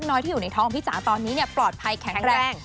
ในท้องของพี่จ๋าตอนนี้เนี่ยปลอดภัยแข็งแรง